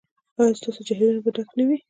ایا ستاسو جهیلونه به ډک نه وي؟